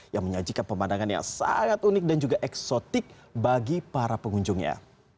yang menyajikan pemandangan yang sangat unik dan juga eksotik bagi para pengunjungnya